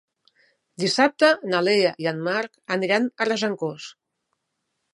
Dissabte na Lea i en Marc aniran a Regencós.